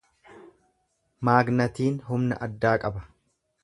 Maagnatiin humna addaa qaba.